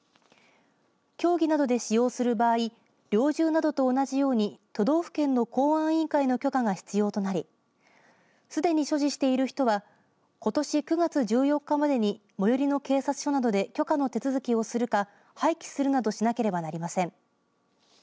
競技などで使用する場合猟銃などと同じように都道府県の公安委員会の許可が必要となりすでに所持している人はことし９月１４日までに最寄りの警察署などで許可の手続きをするか廃棄するかなどしなければなりません。